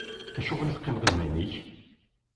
Acuɣeṛ i teqqimeḍ iman-ik?